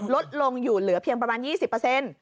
ลดลงอยู่เหลือเพียงประมาณ๒๐